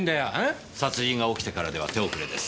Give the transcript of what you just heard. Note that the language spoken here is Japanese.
殺人が起きてからでは手遅れです。